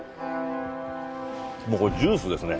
もうこれジュースですね。